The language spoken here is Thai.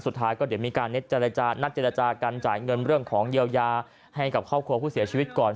สุดท้ายก็เดี๋ยวมีการนัดเจรจากันจ่ายเงินเรื่องของเยียวยาให้กับครอบครัวผู้เสียชีวิตก่อน